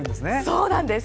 そうなんです。